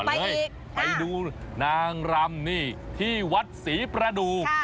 เลยไปดูนางรำนี่ที่วัดศรีประดูก